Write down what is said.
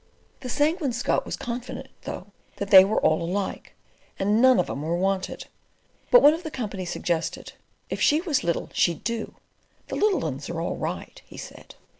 The Sanguine Scot was confident, though, that they were all alike, and none of 'em were wanted; but one of the Company suggested "If she was little, she'd do. The little 'uns are all right," he said.